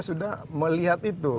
sudah melihat itu